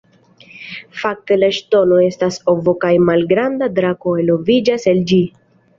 Fakte la ŝtono estas ovo kaj malgranda drako eloviĝas el ĝi.